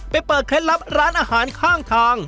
เปิดเคล็ดลับร้านอาหารข้างทาง